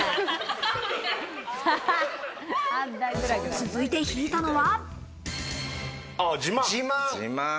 続いて引いたのは。